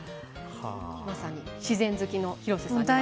まさに自然好きの広瀬さんには。